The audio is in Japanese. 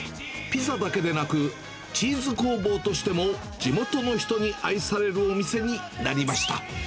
ピザだけでなく、チーズ工房としても地元の人に愛されるお店になりました。